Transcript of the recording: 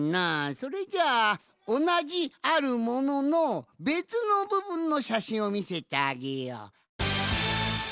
それじゃあおなじ「あるもの」のべつのぶぶんのしゃしんをみせてあげよう。